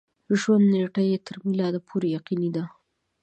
د ژوند نېټه یې تر میلاد پورې یقیني ده.